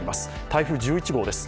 台風１１号です。